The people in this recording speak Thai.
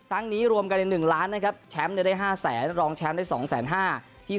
ทั้งนี้รวมกันเนี่ย๑ล้านนะครับแชมป์หนึ่งครับแล้วก็๒๑๕๕๐๐๐